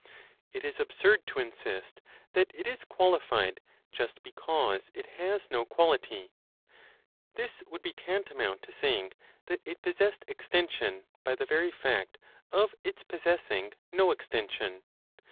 It is absurd to insist that it is qualified, just because it has no quality; this would be tantamount to saying that it possessed extension by the very fact of its possessing no extension.